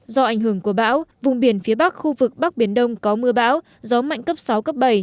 do ảnh hưởng của bão vùng biển phía bắc khu vực bắc biển đông có mưa bão gió mạnh cấp sáu cấp bảy